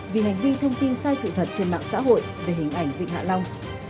vì hành vi thông tin sai sự thật trên mạng xã hội về hình ảnh vịnh hạ long